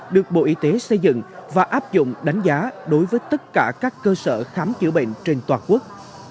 được bộ y tế xây dựng và áp dụng đánh giá đối với tất cả các cơ sở khám chữa bệnh trên toàn quốc